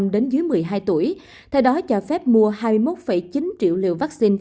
đến dưới một mươi hai tuổi theo đó cho phép mua hai mươi một chín triệu liều vaccine